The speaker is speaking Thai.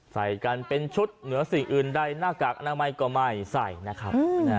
ใส่กันเป็นชุดเหนือสิ่งอื่นใดหน้ากากอนามัยก็ไม่ใส่นะครับ